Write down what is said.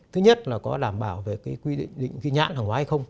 thứ nhất là có đảm bảo về cái quy định ghi nhãn hàng hóa hay không